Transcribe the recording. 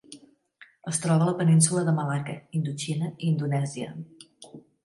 Es troba a la Península de Malacca, Indoxina i Indonèsia.